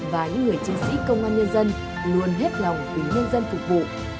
và những người chiến sĩ công an nhân dân luôn hết lòng vì nhân dân phục vụ